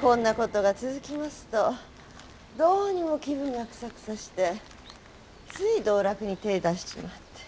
こんな事が続きますとどうにも気分がくさくさしてつい道楽に手ぇ出しちまって。